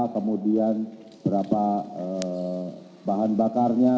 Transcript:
kemudian berapa bahan bakarnya